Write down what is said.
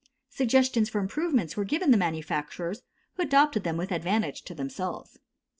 Suggestions for improvements were given the manufacturers, who adopted them with advantage to themselves.